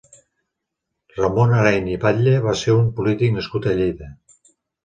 Ramon Areny i Batlle va ser un polític nascut a Lleida.